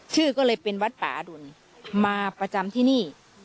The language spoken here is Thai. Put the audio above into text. ชื่อก็เลยเป็นวัดป่าอดุลมาประจำที่นี่